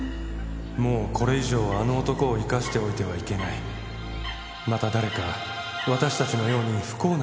「もうこれ以上あの男を生かしておいてはいけない」「また誰か私たちのように不幸な人間が出来ると」